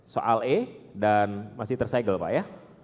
soal e dan masih tersegel pak ya